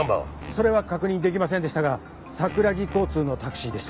それは確認できませんでしたが桜木交通のタクシーでした。